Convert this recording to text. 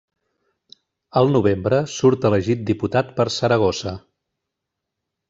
Al novembre surt elegit diputat per Saragossa.